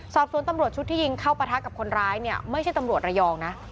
ตำรวจชุดที่ยิงเข้าปะทะกับคนร้ายเนี่ยไม่ใช่ตำรวจระยองนะ